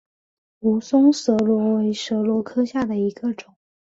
蜈蚣蛇螺为蛇螺科下的一个种。